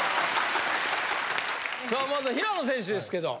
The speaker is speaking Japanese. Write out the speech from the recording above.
さあまずは平野選手ですけど。